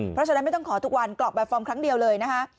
เพราะฉะนั้นไม่ต้องขอทุกวันกรอกแบบฟอร์มครั้งเดียวเลยนะคะ